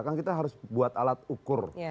kan kita harus buat alat ukur